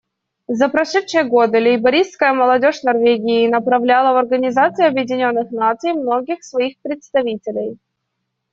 За прошедшие годы лейбористская молодежь Норвегии направляла в Организацию Объединенных Наций многих своих представителей.